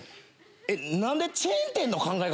えっ何でチェーン店の考え方